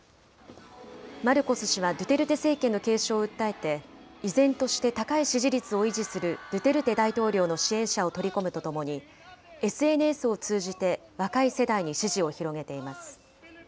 マルコス氏はドゥテルテ政権の継承を訴えて、依然として高い支持率を維持するドゥテルテ大統領の支援者を取り込むとともに、ＳＮＳを通じて若い世代に支持を広げています。